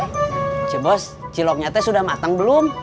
ncu bos ciloknya teh sudah matang belum